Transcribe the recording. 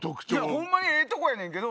ホンマにええとこやねんけど。